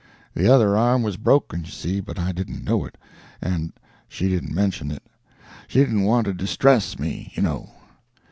The other arm was broken, you see, but I didn't know it, and she didn't mention it. She didn't want to distress me, you know.